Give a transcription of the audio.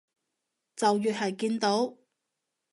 就越係見到